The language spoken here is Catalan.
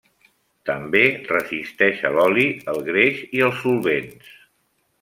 També resisteix a l'oli, el greix i els solvents.